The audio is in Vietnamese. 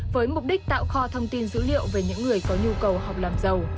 với mục đích tạo kho thông tin dữ liệu về những người có nhu cầu học làm giàu